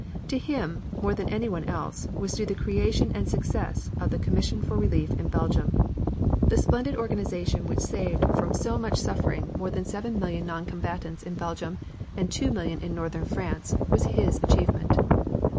To him, more than anyone else, was due the creation and the success of the Commission for Relief in Belgium. The splendid organization which saved from so much suffering more than seven million non combatants in Belgium and two million in Northern France, was his achievement.